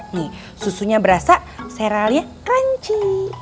nih susunya berasa seralia crunchy